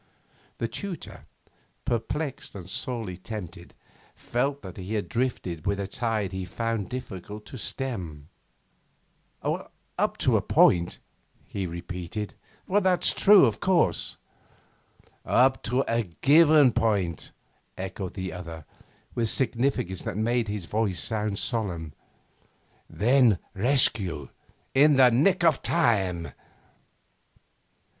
The tutor, perplexed and sorely tempted, felt that he drifted with a tide he found it difficult to stem. 'Up to a point,' he repeated. 'That's true, of course.' 'Up to a given point,' echoed the other, with significance that made his voice sound solemn. 'Then rescue in the nick of time.